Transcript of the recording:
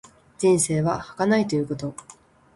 人生は儚いということ。